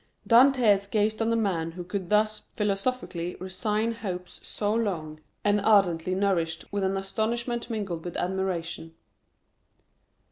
Dantès gazed on the man who could thus philosophically resign hopes so long and ardently nourished with an astonishment mingled with admiration.